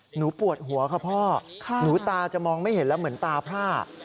หนูปวดหัวค่ะพ่อหนูตาจะมองไม่เห็นแล้วเหมือนตาพร่า